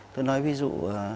tôi nói ví dụ